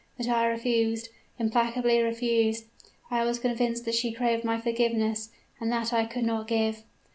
But I refused implacably refused. I was convinced that she craved my forgiveness; and that I could not give.